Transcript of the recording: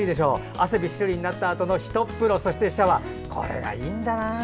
汗びっしょりになったあとのひとっ風呂、そしてシャワーこれがいいんだな。